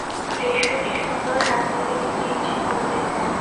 দৃশ্যটি সুন্দর–হাততালি দিতে ইচ্ছা হইতেছে।